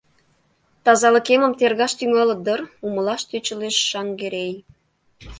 «Тазалыкемым тергаш тӱҥалыт дыр? — умылаш тӧчылеш Шаҥгерей.